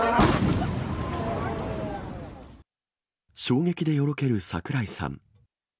衝撃でよろける櫻井さん。